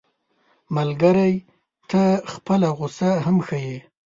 ملګری ته خپله غوسه هم ښيي